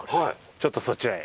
ちょっとそちらへ。